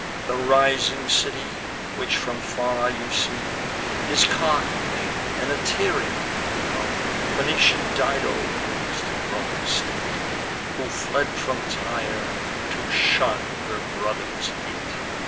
The rising city, which from far you see, Is Carthage, and a Tyrian colony. Phoenician Dido rules the growing state, Who fled from Tyre, to shun her brother's hate.